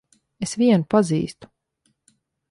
Es vienu pazīstu.